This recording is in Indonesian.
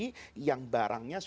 karena dia mendatangi najis tadi